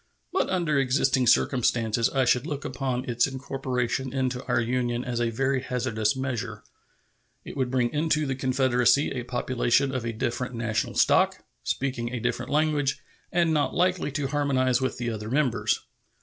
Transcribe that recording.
But under existing circumstances I should look upon its incorporation into our Union as a very hazardous measure. It would bring into the Confederacy a population of a different national stock, speaking a different language, and not likely to harmonize with the other members.